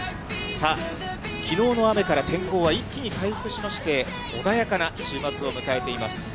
さあ、きのうの雨から天候は一気に回復しまして、穏やかな週末を迎えています。